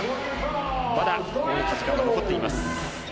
まだ攻撃時間は残っています。